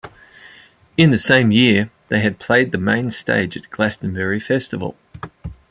In the same year they had played the main stage at Glastonbury Festival.